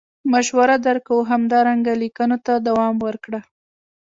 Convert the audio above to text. مشوره در کوو همدارنګه لیکنو ته دوام ورکړه.